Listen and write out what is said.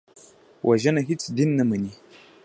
وژنه هېڅ دین نه مني